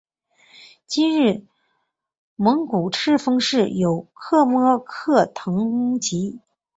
今内蒙古赤峰市有克什克腾旗。